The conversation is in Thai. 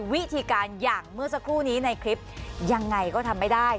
วิธีการอย่างเมื่อสักครู่นี้ในคลิปยังไงก็ทำไม่ได้